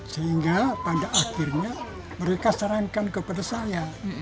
sehingga pada akhirnya mereka sarankan kepada saya